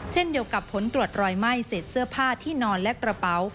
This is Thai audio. เช่นเดียวกับผลตรวจรอยไหม้เศษเสื้อผ้าที่นอนและกระเป๋า